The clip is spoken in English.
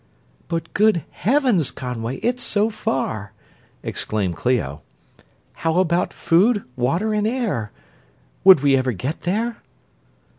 "But good Heavens, Conway, it's so far!" exclaimed Clio. "How about food, water, and air would we ever get there?"